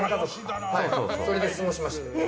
それで過ごしました。